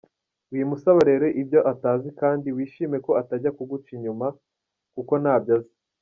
Wimusaba rero ibyo atazi kand wishime ko atajya kuguca inyuma kuko ntabyo azi.